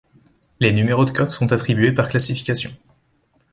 Les numéros de coque sont attribués par classification.